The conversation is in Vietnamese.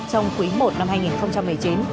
trong quý một năm hai nghìn một mươi chín